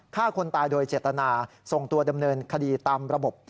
ฆ่าคนตายโดยเจตนาส่งตัวดำเนินคดีตามระบบ